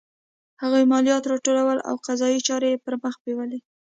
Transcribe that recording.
هغوی مالیات راټولول او قضایي چارې یې پرمخ بیولې.